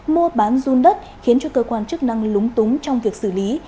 mua bán run đất khiến cho cơ quan chức năng lúng túng trong việc xử lý